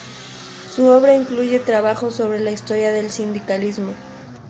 Su obra incluye trabajos sobre la historia del sindicalismo.